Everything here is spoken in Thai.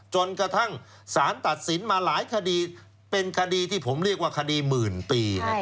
จนกระทั่งสารตัดสินมาหลายคดีเป็นคดีที่ผมเรียกว่าคดีหมื่นปี